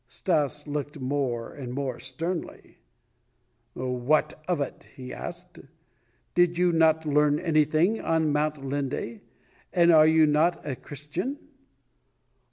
Stas looked more and more sternly: "What of it?" he asked. "Did you not learn anything on Mount Linde, and are you not a Christian?"